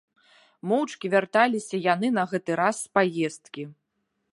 Моўчкі вярталіся яны на гэты раз з праездкі.